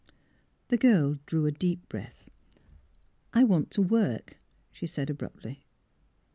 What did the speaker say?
The girl drew a deep breath. *' I want to work," she said, abruptly.